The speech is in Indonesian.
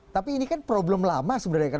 tapi ini kan problem lama sebenarnya kan